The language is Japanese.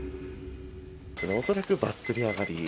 恐らくバッテリー上がり。